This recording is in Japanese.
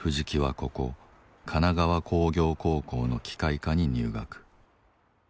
木はここ神奈川工業高校の機械科に入学。